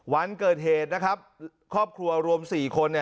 วันเกิดเหตุนะครับครอบครัวรวม๔คน